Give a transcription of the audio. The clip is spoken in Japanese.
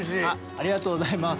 ありがとうございます。